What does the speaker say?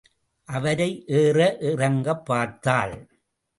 அவரை ஏற இறங்கப் பார்த்தாள்.